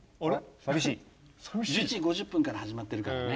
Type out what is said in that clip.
１１時５０分から始まってるからね。